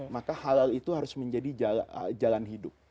maka halal itu harus menjadi jalan hidup